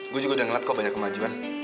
gue juga udah ngeliat kok banyak kemajuan